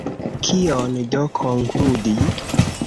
Kion do konkludi?